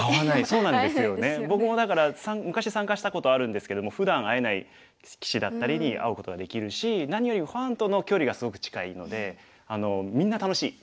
昔参加したことあるんですけれどもふだん会えない棋士だったりに会うことができるし何よりもファンとの距離がすごく近いのでみんな楽しい！